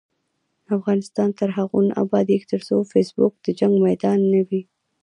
افغانستان تر هغو نه ابادیږي، ترڅو فیسبوک د جنګ میدان نه وي.